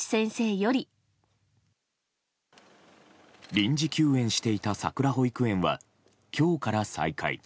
臨時休園していたさくら保育園は今日から再開。